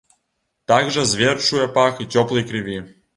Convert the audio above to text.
Так жа звер чуе пах і цёплай крыві.